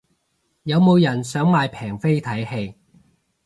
有冇人想買平飛睇戲